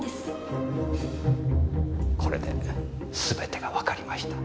これですべてがわかりました。